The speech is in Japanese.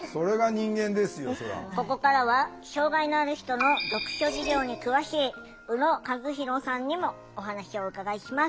ここからは障害のある人の読書事情に詳しい宇野和博さんにもお話をお伺いします。